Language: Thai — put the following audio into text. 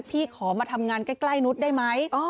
พี่ขอมาทำงานใกล้นุษย์ได้ไหม